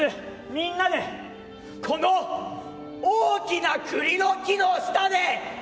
みんなでこの大きな栗の木の下で！」。